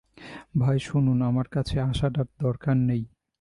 ভাই শুনুন, আমার কাছে আসার আর দরকার নেই।